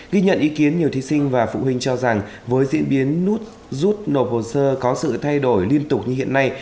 ghi nhận ý kiến nhiều thí sinh và phụ huynh cho rằng với diễn biến rút nộp hồ sơ có sự thay đổi liên tục như hiện nay